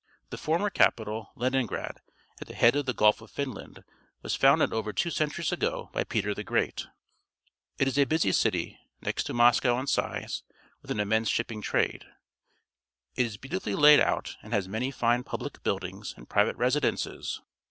The former capital, Leningrad, at the head of the Gulf of Finland, was founded over two centuries ago bj^ Peter the Great. It is a busj' city, next to Moscow in size, with an immense shipping trade. It is beautifully laid out and has many fine public buildings and private residences.